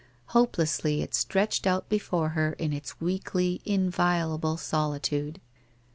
Hopelessly it stretched out before her in its weekly inviolable solitude.